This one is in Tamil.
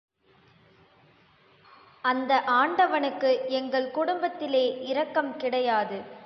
அந்த ஆண்டவனுக்கு எங்கள் குடும்பத்திலே இரக்கம் கிடையாது.